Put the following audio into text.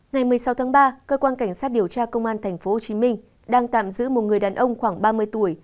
ngày một mươi sáu tháng ba cơ quan cảnh sát điều tra công an tp hcm đang tạm giữ một người đàn ông khoảng ba mươi tuổi